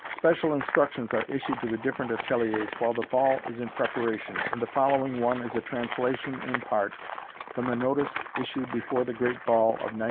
Special instructions are issued to the different ateliers while the ball is in preparation, and the following one is a translation in part from the notice issued before the great ball of '99.